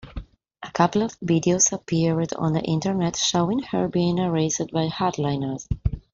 A couple of videos appeared on the internet showing her being harassed by hardliners.